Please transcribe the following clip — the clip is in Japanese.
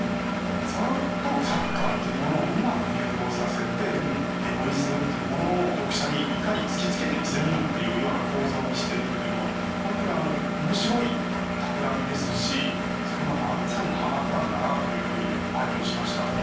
それとサッカーっていうものをうまく融合させてエゴイズムっていうものを読者にいかに突きつけてみせるかっていうような構造にしてるというのはホントに面白いたくらみですしそれがまさにはまったんだなというふうに拝見しました。